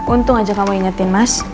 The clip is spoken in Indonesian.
untung aja kamu ingetin mas